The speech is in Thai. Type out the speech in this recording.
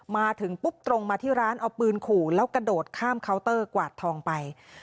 มาถึงปุ๊บตรงมาที่ร้านเอาปืนขู่แล้วกระโดดข้ามเคาน์เตอร์กวาดทองไป